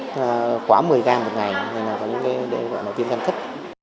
nên là có những điều gọi là tiên gian thức